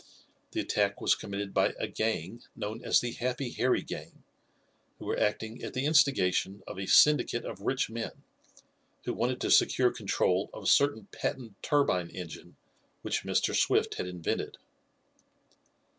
The attack was committed by a gang known as the Happy Harry gang, who were acting at the instigation of a syndicate of rich men, who wanted to secure control of a certain patent turbine engine which Mr. Swift had invented.